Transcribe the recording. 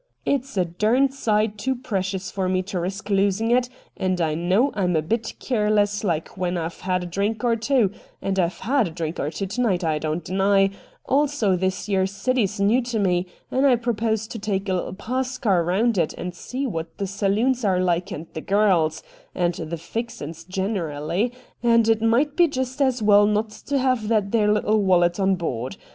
It's a 76 RED DIAMONDS derned sight too precious for me to risk losing it, and I know I'm a bit keerless like when I've had a drink or two, and I've had a drink or two to night I don't deny ; also this yer city's new to me, and I propose to take rxAtoX^ a little pascar round about and see what the saloons are like and the girls, and the fixin's generally, and it might be jest as well not to hev that there wallet on board.